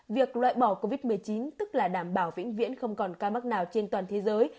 việc loại bỏ covid một mươi chín tức là đảm bảo vĩnh viễn không còn ca mắc nào trên toàn thế giới